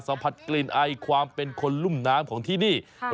สัมผัสกลิ่นไอความเป็นคนลุ่มน้ำของที่นี่